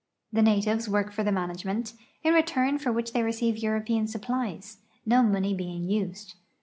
The natives work for the management, in return for which they receive European supplies, no money being used.